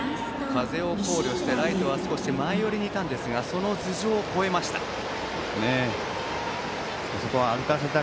風を考慮してライトは前寄りにいましたがその頭上を越えました。